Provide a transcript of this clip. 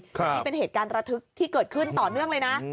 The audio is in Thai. นี่เป็นเหตุการณ์ระทึกที่เกิดขึ้นต่อเนื่องเลยนะ